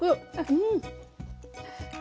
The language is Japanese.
うん。